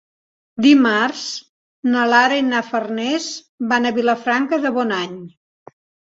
Dimarts na Lara i na Farners van a Vilafranca de Bonany.